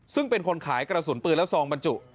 ซึ่งเป็นคนขายกระสุนปืนและซองบรรจุ